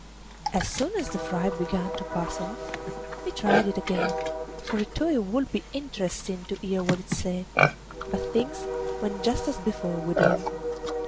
As soon as the fright began to pass off he tried it again, for he thought it would be interesting to hear what it said; but things went just as before with him.